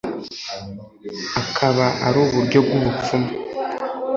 akaba ari uburyo bw'ubupfumu